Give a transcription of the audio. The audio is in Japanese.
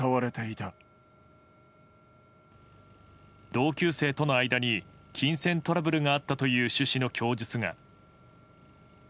同級生との間に金銭トラブルがあったという趣旨の供述が。